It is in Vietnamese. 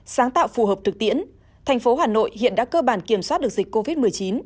sáng tạo phù hợp thực tiễn thành phố hà nội hiện đã cơ bản kiểm soát được dịch covid một mươi chín